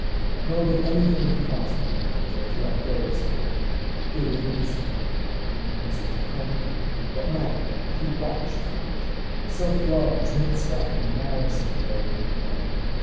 Nor would anything have caused Barkilphedro to let go his hold. He awaited his time. Was it to come? What mattered that? He watched for it. Self love is mixed up in the malice of the very wicked man.